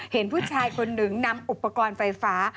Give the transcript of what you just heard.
เห็นผู้ชายคนหนึ่งนำอุปกรณ์ไฟฟ้า